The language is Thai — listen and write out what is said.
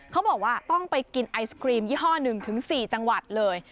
เขาบอกว่าต้องไปกินไอศกรีมยี่ห้อ๑๔จังหวัดเลย